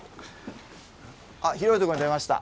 あっ広いとこに出ました。